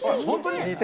本当に？